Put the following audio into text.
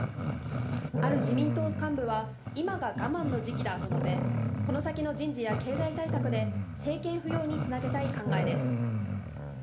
ある自民党幹部は今が我慢の時期だと述べ、この先の人事や経済対策で政権浮揚に繋げたい考えです。